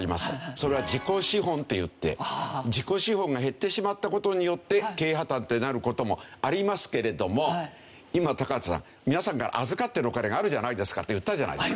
それは自己資本っていって自己資本が減ってしまった事によって経営破たんってなる事もありますけれども今高畑さん皆さんから預かってるお金があるじゃないですかって言ったじゃないですか。